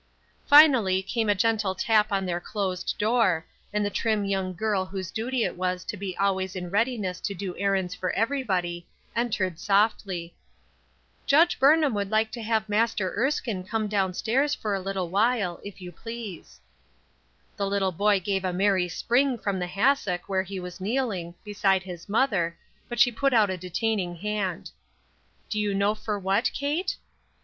Finally came a gentle tap on their closed door, and the trim young girl whose duty it was to be always in readiness to do errands for everybody, entered softly :— "Judge Burnham would like to have Master Erskine come down stairs for a little while, if you please." f8 THE UNEXPECTED. The little boy gave a merry spring from the hassock where he was kneeling, beside his mother, but she put out a detaining hand. " Do you know for what, Kate